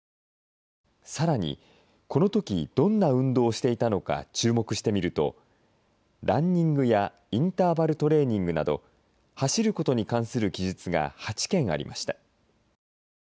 さらに、このときどんな運動をしていたのか注目してみるとランニングやインターバルトレーニングなど走ることに関する記述が８件ありました。